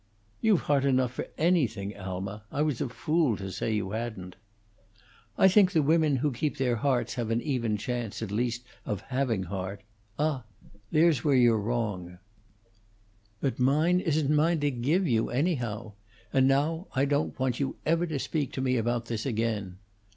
"You've heart enough for anything, Alma. I was a fool to say you hadn't." "I think the women who keep their hearts have an even chance, at least, of having heart " "Ah, there's where you're wrong!" "But mine isn't mine to give you, anyhow. And now I don't want you ever to speak to me about this again."